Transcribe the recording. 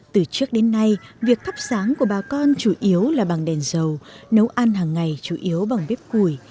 từ trước đến nay việc thắp sáng của bà con chủ yếu là bằng đèn dầu nấu ăn hàng ngày chủ yếu bằng bếp củi